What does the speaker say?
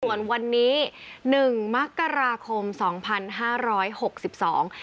ส่วนวันนี้หนึ่งมกราคมสองพันห้าร้อยหกสิบสอง